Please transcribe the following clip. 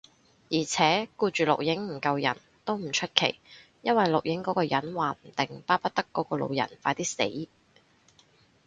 而且，顧住錄影唔救人，都唔出奇，因為錄影嗰個人話唔定巴不得嗰個老人快啲死